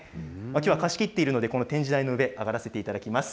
きょうは貸し切っているので、この展示台の上、上がらせていただきます。